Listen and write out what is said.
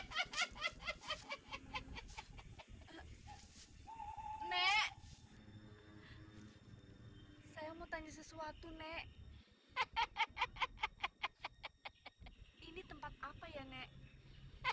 yang mau menikah itu kan kiki bukan kita